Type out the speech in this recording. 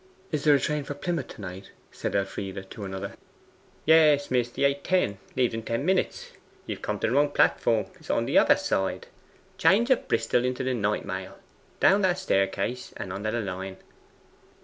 'Is there a train for Plymouth to night?' said Elfride to another. 'Yes, miss; the 8.10 leaves in ten minutes. You have come to the wrong platform; it is the other side. Change at Bristol into the night mail. Down that staircase, and under the line.